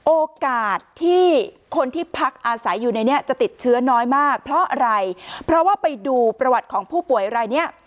โอกาสที่คนที่พักอาศัยอยู่ในนี้จะติดเชื้อน้อยมากเพราะอะไรเพราะว่าไปดูประวัติของผู้ป่วยรายเนี้ย